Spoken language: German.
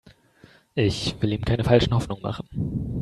Ich will ihm keine falschen Hoffnungen machen.